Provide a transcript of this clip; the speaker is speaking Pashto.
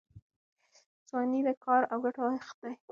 ځواني د کار او ګټلو وخت دی.